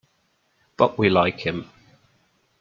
But we like him.